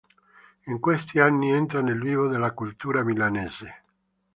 In questi anni entra nel vivo della cultura milanese.